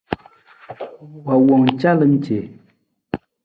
Wowang calan ce.